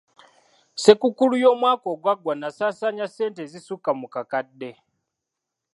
Ssekukkulu y'omwaka ogwaggwa nnasaasaanya ssente ezisukka mu kakadde.